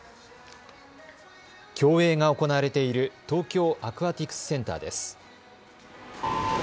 競泳が行われている東京アクアティクスセンターです。